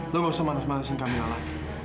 lo gak usah manas manasin kamilah lagi